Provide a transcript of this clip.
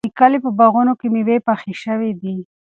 د کلي په باغونو کې مېوې پخې شوې دي.